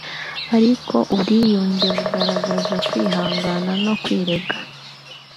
ariko ubwiyunge bigaragaza kwihangana no kwirenga